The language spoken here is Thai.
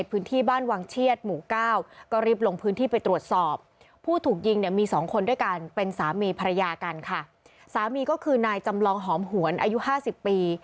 ภรรยากันค่ะสามีก็คือนายจำลองหอมหวนอายุห้าสิบปี